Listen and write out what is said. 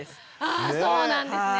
あそうなんですね。